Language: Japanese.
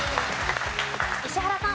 石原さん。